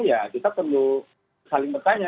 ya kita perlu saling bertanya